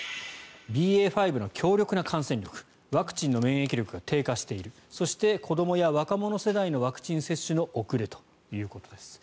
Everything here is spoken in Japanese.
ＢＡ．５の強力な感染力ワクチンの免疫力が低下しているそして、子どもや若者世代のワクチン接種の遅れということです。